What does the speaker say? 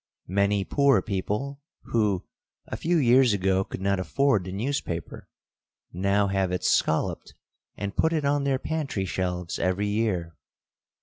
Many poor people, who, a few years ago, could not afford the newspaper, now have it scolloped and put it on their pantry shelves every year.